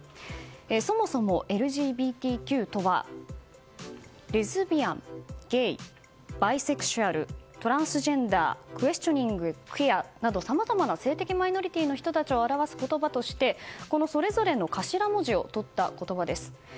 そもそも、ＬＧＢＴＱとはレズビアン、ゲイバイセクシュアルトランスジェンダークエスチョニング・クィアなどさまざまな性的マイノリティーの人たちを表す言葉としてそれぞれの頭文字をとった言葉です。